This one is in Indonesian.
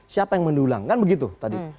siapa yang mendulang kan begitu tadi